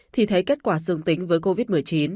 thì thấy kết quả dương tính với covid một mươi chín